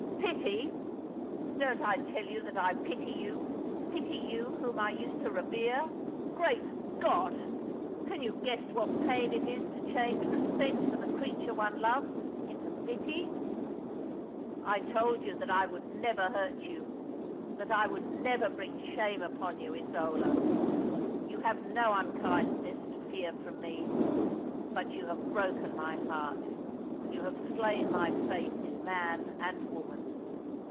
" Pity I Don't I tell you that I pity you— pity you whom I used to revere ! Great God ! can you guess what pain it is to change respect for the creature one loves into pity ? I told you that I would never hurt you — that I would never bring shame upon you, Isola. You have no unkindness to fear from me. But you have broken my heart, you have slain my faith in man and woman.